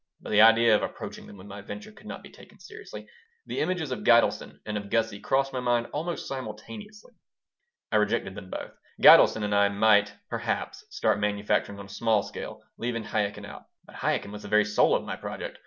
But the idea of approaching them with my venture could not be taken seriously. The images of Gitelson and of Gussie crossed my mind almost simultaneously. I rejected them both. Gitelson and I might, perhaps, start manufacturing on a small scale, leaving Chaikin out. But Chaikin was the very soul of my project.